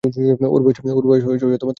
ওর বয়স তিন মাস ছিলো।